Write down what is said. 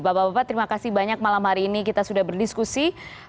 bapak bapak terima kasih banyak malam hari ini kita sudah berdiskusi